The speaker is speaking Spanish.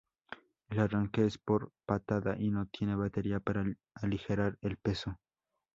El arranque es por patada y no tiene batería para aligerar el peso.